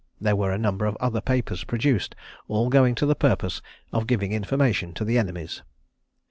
There were a number of other papers produced, all going to the purpose of giving information to the enemies.